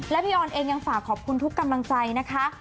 และพี่ออนเองยังฝากขอบคุณทุกกำลังใจนะคะ